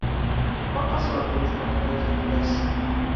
Quan passa l'autobús pel carrer Ripollès?